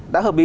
đã hợp ý rồi